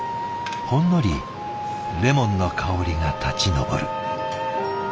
ほんのりレモンの香りが立ち上る。